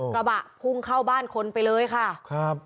กระบะพุ่งเข้าบ้านคนไปเลยค่ะครับ